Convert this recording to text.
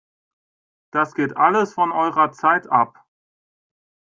Das geht alles von eurer Zeit ab!